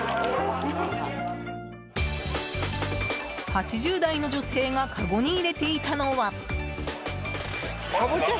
８０代の女性がかごに入れていたのは。